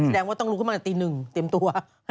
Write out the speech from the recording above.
แสดงว่าต้องลุกขึ้นมาแต่ตี๑เตรียมตัว